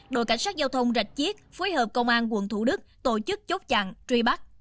đội cảnh sát giao thông rạch chiếc phối hợp công an quận thủ đức tổ chức chốt chặn truy bắt